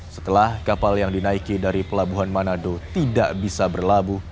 setelah kapal yang dinaiki dari pelabuhan manado tidak bisa berlabuh